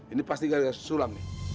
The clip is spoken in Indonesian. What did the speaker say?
ini pasti gara gara sulam nih